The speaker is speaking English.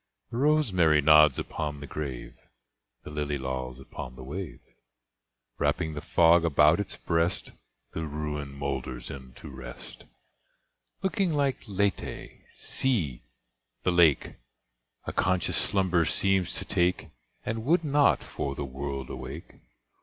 The rosemary nods upon the grave; The lily lolls upon the wave; Wrapping the fog about its breast, The ruin moulders into rest; Looking like Lethe, see! the lake A conscious slumber seems to take, And would not, for the world, awake.